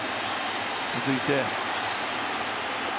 続いて。